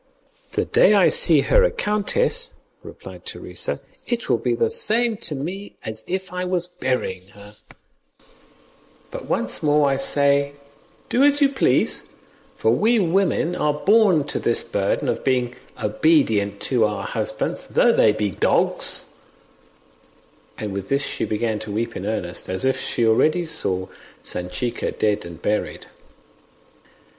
"The day that I see her a countess," replied Teresa, "it will be the same to me as if I was burying her; but once more I say do as you please, for we women are born to this burden of being obedient to our husbands, though they be dogs;" and with this she began to weep in earnest, as if she already saw Sanchica dead and buried.